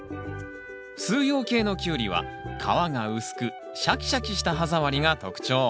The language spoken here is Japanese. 四葉系のキュウリは皮が薄くシャキシャキした歯触りが特徴。